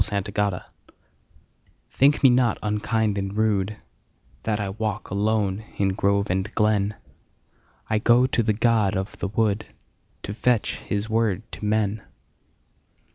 The Apology THINK me not unkind and rudeThat I walk alone in grove and glen;I go to the god of the woodTo fetch his word to men.